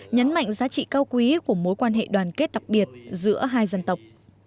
nhấn mạnh giá trị cao quý của mối quan hệ đoàn kết đặc biệt giữa hai dân tộc